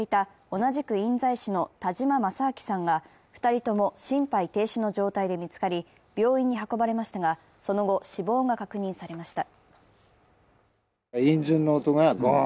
同じく印西市の田嶋正明さんが２人とも心肺停止の状態で見つかり、病院に運ばれましたが、その後、死亡が確認されました。